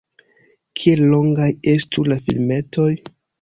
Kiel longaj estu la filmetoj?